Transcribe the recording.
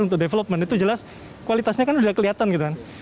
untuk development itu jelas kualitasnya kan sudah kelihatan gitu kan